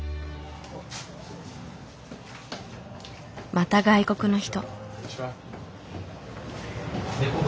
また外国の人。